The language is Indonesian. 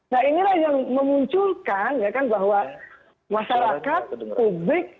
nah inilah yang memunculkan ya kan bahwa masyarakat publik